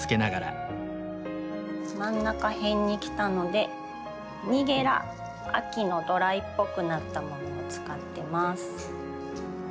真ん中辺に来たのでニゲラ秋のドライっぽくなったものを使ってます。